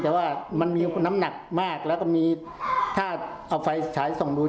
แต่ว่ามันมีน้ำหนักมากแล้วก็มีถ้าเอาไฟฉายส่องดู